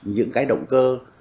những cái động cơ